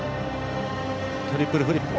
トリプルフリップ。